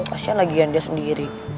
kasian lagi yang dia sendiri